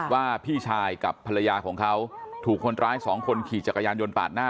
ว่าพี่ชายกับภรรยาของเขาถูกคนร้ายสองคนขี่จักรยานยนต์ปาดหน้า